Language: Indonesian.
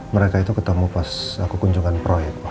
mereka itu ketemu pas aku kunjungan proyek